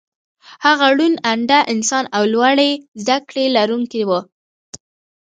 هغه روڼ انده انسان او لوړې زدکړې لرونکی و